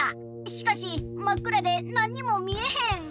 しかしまっくらでなんにもみえへん。